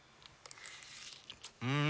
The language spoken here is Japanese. うん！